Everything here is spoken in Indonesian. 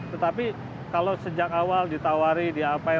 tetapi kalau sejak awal ditawari diapain